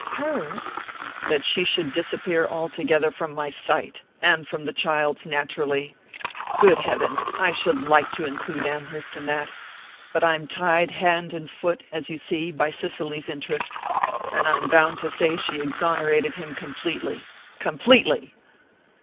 "Hers?" "That she should disappear altogether from my sight and from the child's, naturally. Good heaven, I should like to include Amherst in that! But I'm tied hand and foot, as you see, by Cicely's interests; and I'm bound to say she exonerated him completely completely!"